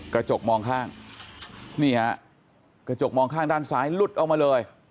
กระจกมองข้างนี่ฮะกระจกมองข้างด้านซ้ายหลุดออกมาเลย